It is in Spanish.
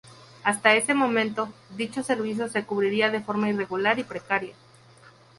Hasta ese momento, dicho servicio se cubría de forma irregular y precaria.